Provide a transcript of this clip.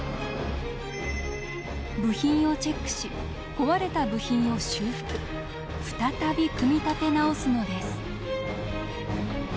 部品をチェックし壊れた部品を修復再び組み立て直すのです。